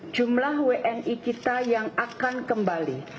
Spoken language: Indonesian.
jumlah wni kita yang akan kembali